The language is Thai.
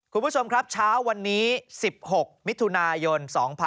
คุณผู้ชมครับเช้าวันนี้๑๖มิถุนายน๒๕๖๒